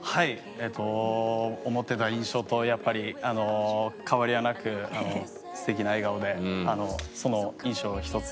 えっと思ってた印象とやっぱり変わりはなく素敵な笑顔でその印象一つです。